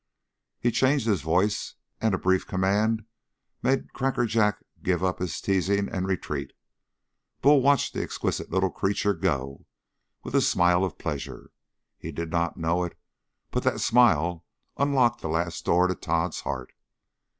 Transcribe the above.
He changed his voice, and a brief command made Crackajack give up his teasing and retreat. Bull watched the exquisite little creature go, with a smile of pleasure. He did not know it, but that smile unlocked the last door to Tod's heart.